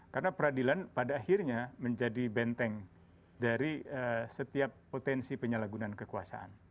karena peradilan pada akhirnya menjadi benteng dari setiap potensi penyalahgunaan kekuasaan